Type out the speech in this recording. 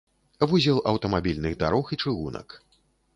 Вузел аўтамабільных дарог і чыгунак.